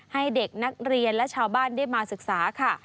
ให้เด็กนักเรียนและชาวบ้านได้มาศึกษาค่ะ